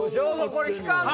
これ引かんと。